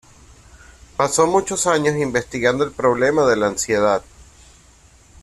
Pasó muchos años investigando el problema de la ansiedad.